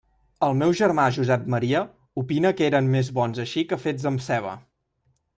El meu germà Josep Maria opina que eren més bons així que fets amb ceba.